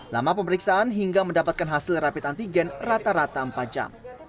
lama pemeriksaan hingga mendapatkan hasil rapid antigen rata rata empat jam